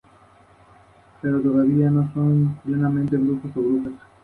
No obstante, el destructor sigue siendo una nave más poderosa que el crucero.